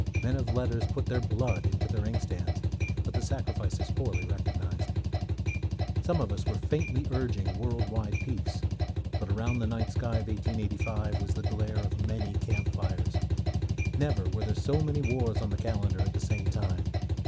Men of letters put their blood into their inkstands, but the sacrifice is poorly recognised. Some of us were faintly urging world wide peace, but around the night sky of 1885 was the glare of many camp fires. Never were there so many wars on the calendar at the same time.